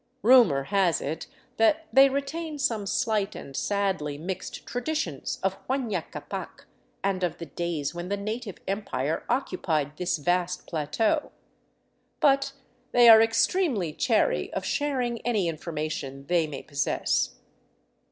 Rumor has it that they retain some slight and sadly mixed traditions of Huayna Ccapac and of the days when the native Empire occupied this vast plateau; but they are extremely chary of sharing any information they may possess.